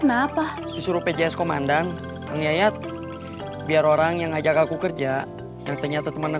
kenapa disuruh pjs komandang yang yayat biar orang yang ajak aku kerja yang ternyata temenan